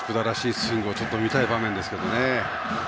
スイングを見たい場面ですけどね。